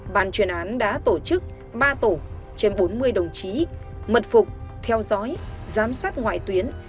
bàn chuyên án đã tổ chức ba tổ trên bốn mươi đồng chí mật phục theo dõi giám sát ngoại tuyến